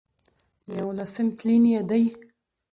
يوولسم تلين يې دی